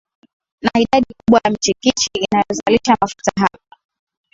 na idadi kubwa ya michikichi inayozalisha mafuta Hapo